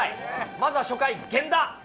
まずは初回、源田。